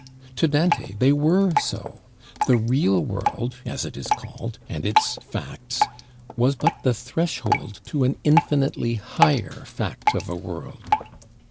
To Dante they were so; the real world, as it is called, and its facts, was but the threshold to an infinitely higher Fact of a World.